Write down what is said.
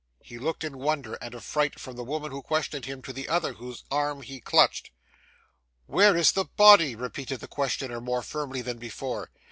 He looked in wonder and affright from the woman who questioned him to the other whose arm he clutched. 'Where is the body?' repeated the questioner more firmly than before.